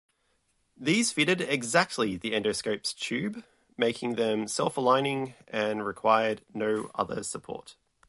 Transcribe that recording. These fitted exactly the endoscope's tube, making them self-aligning, and required no other support.